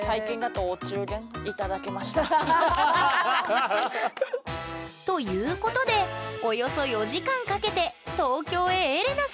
ということでおよそ４時間かけて東京へエレナさんがやって来た！